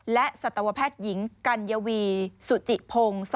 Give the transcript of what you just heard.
และสัตวแพทย์หญิงกัญวีสุจิพงศ์